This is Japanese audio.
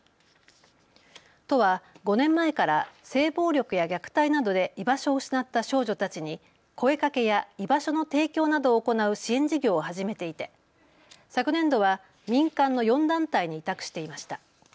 都は５年前から性暴力や虐待などで居場所を失った少女たちに声かけや居場所の提供などを行う支援事業を始めていて昨年度は民間の４団体に委託していました。